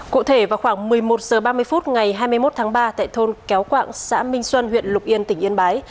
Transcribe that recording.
cụ thể vào khoảng một mươi một h ba mươi phút ngày hai mươi một tháng ba tại thôn kéo quạng xã minh xuân huyện lục yên tỉnh yên bái